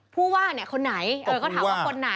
ผู้ว่าคนไหนก็ถามว่าคนไหน